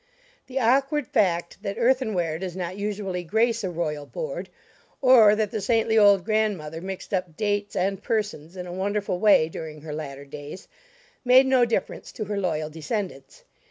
The awkward fact that earthenware does not usually grace a royal board, or that the saintly old grandmother mixed up dates and persons in a wonderful way during her latter days, made no difference to her loyal descendants.